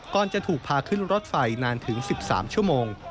จะถูกพาขึ้นรถไฟนานถึง๑๓ชั่วโมง